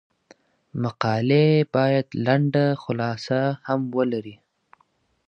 مقالې باید لنډه خلاصه هم ولري.